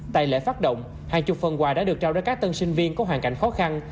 tại lễ phát động hàng chục phần quà đã được trao đến các tân sinh viên có hoàn cảnh khó khăn